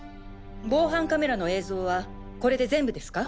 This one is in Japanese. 防犯カメラの映像はこれで全部ですか？